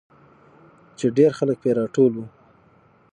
چې ډېرخلک پې راټول وو.